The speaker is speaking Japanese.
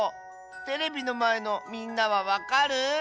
テレビのまえのみんなはわかる？